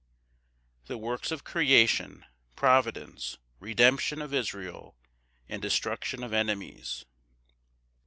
The works of creation, providence, redemption of Israel, and destruction of enemies.